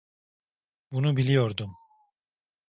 Bunu biliyordum.